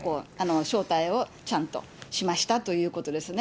招待をちゃんとしましたということですね。